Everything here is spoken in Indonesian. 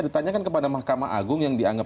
ditanyakan kepada mahkamah agung yang dianggap